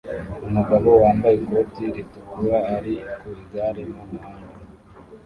Umugabo wambaye ikoti ritukura ari ku igare mu muhanda